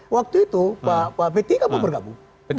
waktu itu pak pt kan mau bergabung